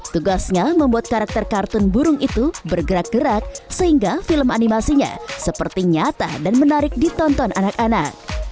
tugasnya membuat karakter kartun burung itu bergerak gerak sehingga film animasinya seperti nyata dan menarik ditonton anak anak